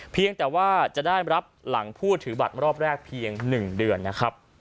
เพียงแต่ว่าจะได้รับหลังผู้ถือบัตรรอบแรกเพียง๑เดือนนะครับ